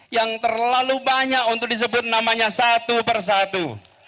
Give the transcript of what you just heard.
yang terlalu banyak untuk disebut namanya satu persatu